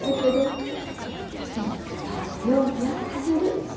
立派にようやってはる。